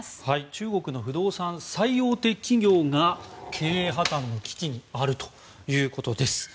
中国の不動産最大手企業が経営破綻の危機にあるということです。